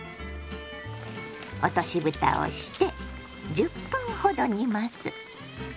落としぶたをして１０分ほど煮ます。